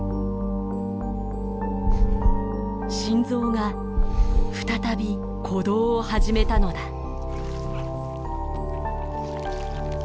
心臓が再び鼓動を始めたのだ。